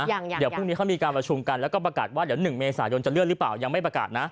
เดี๋ยวพรุ่งนี้เขามีการประชุมกันแล้วก็ประกาศว่าเดี๋ยว๑เมษายนจะเลื่อนหรือเปล่ายังไม่ประกาศนะ